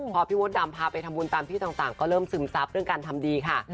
พอพี่มดดำพาไปทำบุญตามที่ต่างก็เริ่มซึมซับเรื่องการทำดีค่ะ